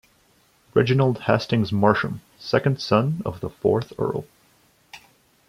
Reginald Hastings Marsham, second son of the fourth Earl.